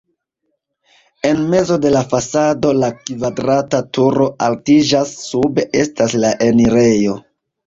En mezo de la fasado la kvadrata turo altiĝas, sube estas la enirejo.